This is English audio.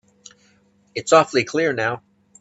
It's awfully clear now.